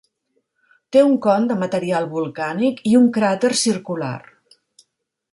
Té un con de material volcànic i un cràter circular.